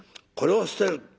これを捨てる。